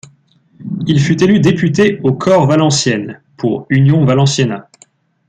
Il fut élu député aux Corts valenciennes pour Unión valenciana.